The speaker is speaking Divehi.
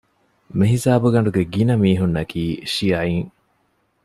މިހިސާބުގަނޑުގެ ގިނަ މީހުންނަކީ ޝިޔަޢީން